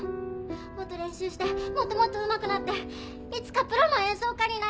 もっと練習してもっともっとうまくなっていつかプロの演奏家になりたいの。